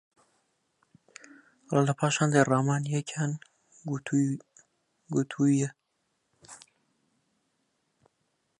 لە پاش هێندێک ڕامان، یەکیان گوتوویە: